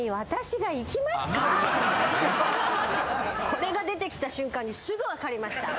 これが出てきた瞬間にすぐ分かりました。